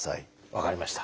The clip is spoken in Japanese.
分かりました。